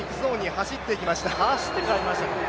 走って帰りましたね。